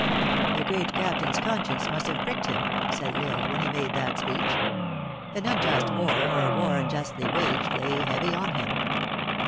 "The great captain s conscience must have pricked him," said L Isle, " when he made that speech. An unjust war, or a war unjustly waged, lay heavy on him.